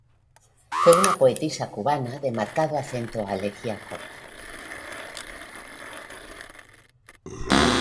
Fue una poetisa cubana de marcado acento elegíaco.